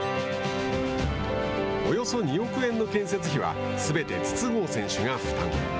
およそ２億円の建設費はすべて筒香選手が負担。